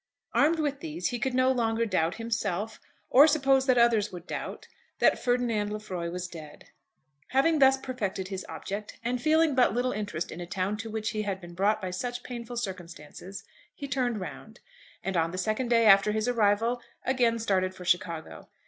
Armed with these he could no longer doubt himself, or suppose that others would doubt, that Ferdinand Lefroy was dead. Having thus perfected his object, and feeling but little interest in a town to which he had been brought by such painful circumstances, he turned round, and on the second day after his arrival, again started for Chicago.